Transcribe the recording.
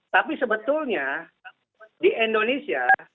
tapi sebetulnya di indonesia